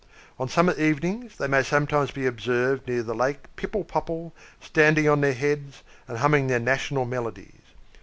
On summer evenings, they may sometimes be observed near the Lake Pipple Popple, standing on their heads, and humming their national melodies.